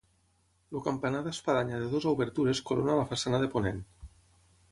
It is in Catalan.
El campanar d'espadanya de dues obertures corona la façana de ponent.